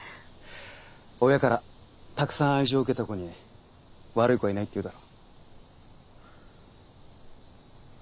親からたくさん愛情を受けた子に悪い子はいないっていうだろ。